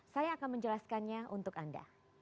saya akan menjelaskannya untuk anda